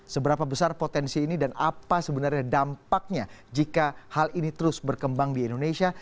seberapa besar potensi ini dan apa sebenarnya dampaknya jika hal ini terus berkembang di indonesia